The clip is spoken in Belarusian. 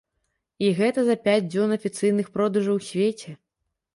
І гэта за пяць дзён афіцыйных продажаў у свеце.